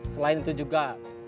selain itu juga